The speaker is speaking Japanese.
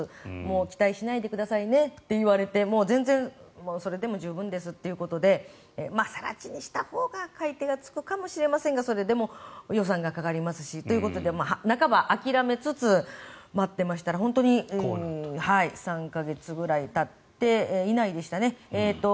期待しないでくださいねって言われて全然、それでも十分ですということで更地にしたほうが買い手がつくかもしれませんがそれでも予算がかかりますしということで半ば諦めつつ待っていましたら本当に３か月ぐらいたってそれ以内でしたね。